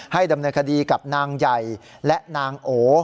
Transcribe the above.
ดำเนินคดีกับนางใหญ่และนางโอ